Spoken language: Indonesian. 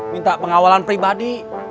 minta pengawalan pribadi